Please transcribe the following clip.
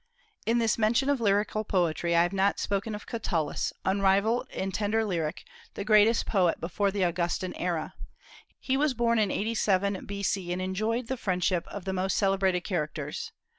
In this mention of lyrical poetry I have not spoken of Catullus, unrivalled in tender lyric, the greatest poet before the Augustan era. He was born 87 B.C., and enjoyed the friendship of the most celebrated characters.